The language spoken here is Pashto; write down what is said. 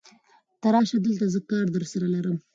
ته راشه دلته، زه کار درسره لرم.